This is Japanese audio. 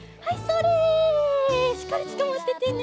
しっかりつかまっててね。